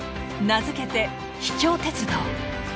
名付けて「秘境鉄道」。